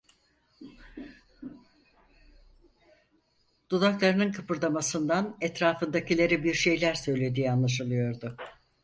Dudaklarının kıpırdamasından etrafındakilere bir şeyler söylediği anlaşılıyordu.